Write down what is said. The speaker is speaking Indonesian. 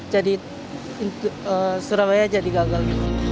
jadi surabaya jadi gagal